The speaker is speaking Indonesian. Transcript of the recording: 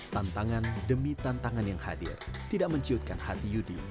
tantangan demi tantangan yang hadir tidak menciutkan hati yudi